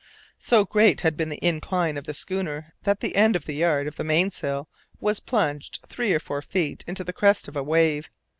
So great had been the incline of the schooner that the end of the yard of the mainsail was plunged three or four feet into the crest of a wave.